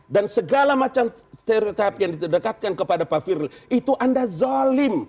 dan segala macam stereotip yang didekatkan kepada pak firul itu anda zalim